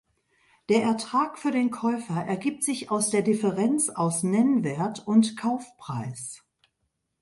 Der Ertrag für den Käufer ergibt sich aus der Differenz aus Nennwert und Kaufpreis.